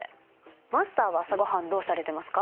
マスターは朝ごはんどうされてますか？